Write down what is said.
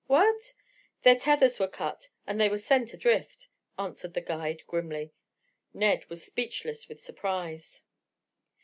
"What?" "Their tethers were cut and they were sent adrift," answered the guide grimly. Ned was speechless with surprise.